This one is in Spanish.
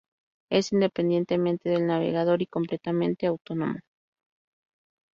Es independiente del navegador y completamente autónomo.